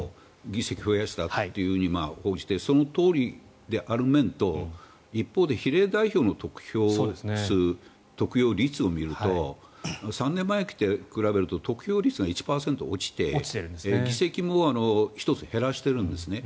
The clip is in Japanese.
議席を増やしたと報じてそのとおりである面と一方で比例代表の得票数得票率を見ると３年前と比べると得票率が１％落ちて議席も１つ減らしているんですね。